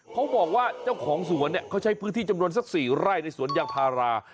เขาบอกว่าเจ้าของสวนเนี่ยเขาใช้พื้นที่จำนวนสัก๔ไร่ในสวนยางพารา